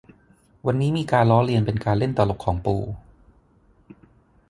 วันนี้มีการล้อเลียนเป็นการเล่นตลกของปู่